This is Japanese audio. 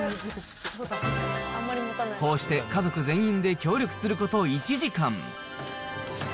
こうして家族全員で協力すること１時間。